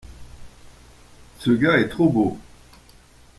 Ce gars est trop beau.